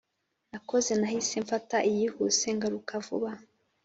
Nakoze nahise mfata iyihuse ngaruka vuba